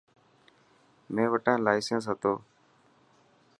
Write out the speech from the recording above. مين وٽا لائيسن هتو.